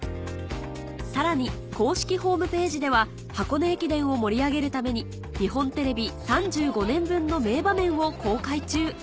さらに公式ホームページでは箱根駅伝を盛り上げるために日本テレビ３５年分の名場面を公開中